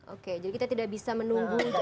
oke jadi kita tidak bisa menunggu